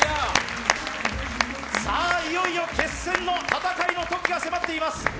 いよいよ決戦の戦いのときが迫っています。